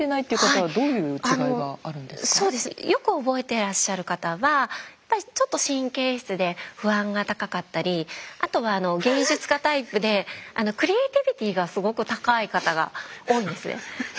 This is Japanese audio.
そうですねよく覚えてらっしゃる方はやっぱりちょっと神経質で不安が高かったりクリエーティビティーがすごく高い方が多いんですね。